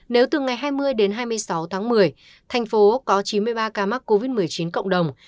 nếu từ ngày hai mươi đến hai mươi sáu tháng một mươi thành phố có chín mươi ba ca mắc covid một mươi chín cộng đồng